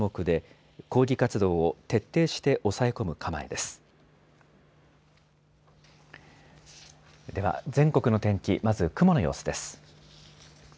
では全国の天気、まず雲の様子です。